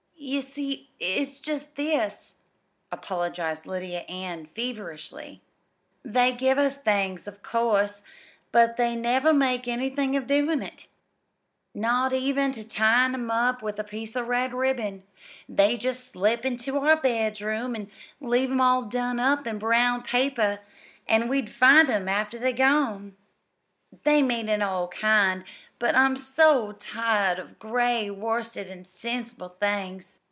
"Ye see, it's just this," apologized Lydia Ann feverishly. "They give us things, of course, but they never make anythin' of doin' it, not even ter tyin' 'em up with a piece of red ribbon. They just slip into our bedroom an' leave 'em all done up in brown paper an' we find 'em after they're gone. They mean it all kind, but I'm so tired of gray worsted and sensible things.